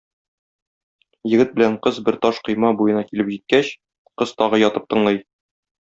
Егет белән кыз бер таш койма буена килеп җиткәч, кыз тагы ятып тыңлый.